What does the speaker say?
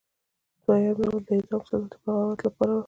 دویم ډول د اعدام سزا د بغاوت لپاره وه.